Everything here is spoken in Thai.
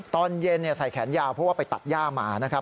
ตอนเย็นใส่แขนยาวเพราะว่าไปตัดย่ามานะครับ